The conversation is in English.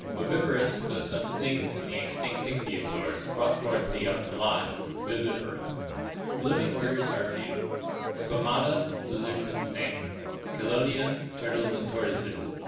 Oviparous, though some snakes and the extinct ichthyosaurs brought forth the young alive (viviparous). The living orders are few: Squamata (Lat. squama, scale). Lizards and snakes. Chelonia (Gr. x<\vvri, turtle). Turtles and tortoises.